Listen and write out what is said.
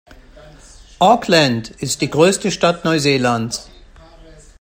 Auckland ist die größte Stadt Neuseelands.